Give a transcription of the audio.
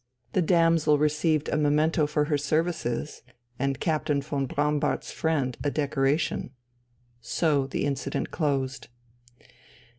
The damsel received a memento for her services, and Captain von Braunbart's friend a decoration. So the incident closed.